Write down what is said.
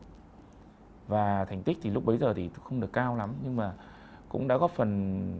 ừ và thành tích thì lúc bây giờ thì không được cao lắm nhưng mà cũng đã góp phần